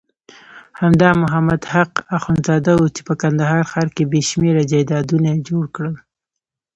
همدا محمد حق اخندزاده وو چې په کندهار ښار کې بېشمېره جایدادونه جوړ کړل.